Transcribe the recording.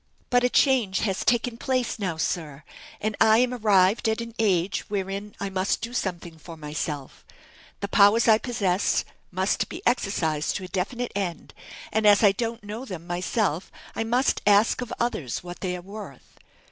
"But a change has taken place now, sir: and I am arrived at an age wherein I must do something for myself: the powers I possess must be exercised to a definite end, and as I don't know them myself I must ask of others what they are worth.